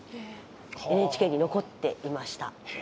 ＮＨＫに残っていました。